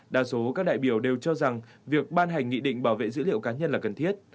đa số các đại biểu đều cho rằng việc ban hành nghị định bảo vệ dữ liệu cá nhân là cần thiết